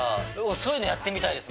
そういうのやってみたいです。